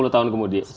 sepuluh tahun kemudian